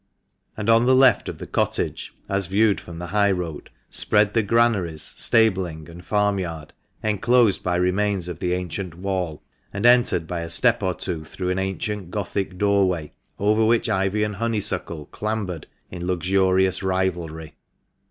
And on the left of the cottage (as viewed from the high road) spread the granaries, stabling, and farmyard, enclosed by remains of the ancient wall, and entered by a step or two through an ancient Gothic doorway, over which ivy and honeysuckle clambered in luxurious rivalry.